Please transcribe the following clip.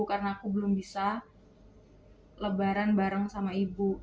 karena aku belum bisa lebaran bareng sama ibu